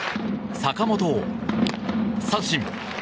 坂本を三振。